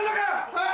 はい！